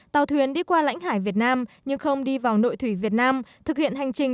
tàu thuyền đi qua lãnh hải việt nam nhưng không đi vào nội thủy việt nam thực hiện hành trình